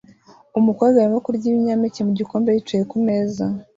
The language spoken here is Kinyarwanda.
Umukobwa arimo kurya ibinyampeke mu gikombe yicaye ku meza